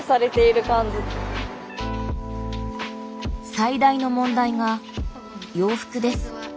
最大の問題が洋服です。